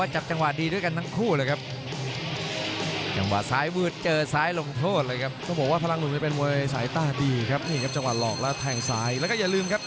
หมดยกที่หนึ่งครับ